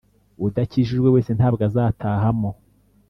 udakijijwe wese ntabwo azatahamo,